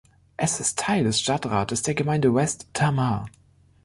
Es ist Teil des Stadtrates der Gemeinde West Tamar.